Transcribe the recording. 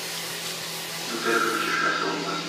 Бу тереклек чишмәсе була.